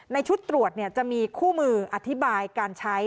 ชุดตรวจจะมีคู่มืออธิบายการใช้